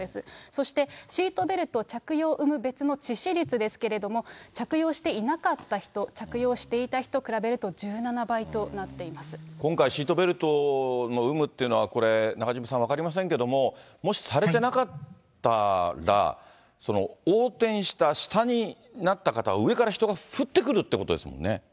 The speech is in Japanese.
そしてシートベルト着用有無別の致死率ですけれども、着用していなかった人、着用していた人比べると、今回、シートベルトの有無というのは、中島さん、分かりませんけれども、もしされてなかったら、横転した、下になった方、上から人が降ってくるってことですもんね。